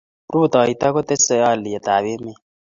rutoito kotesei alyetap emet